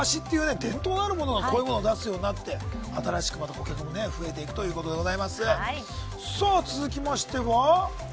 伝統あるものがこういうもの出すようになって新しいものが増えていくということです。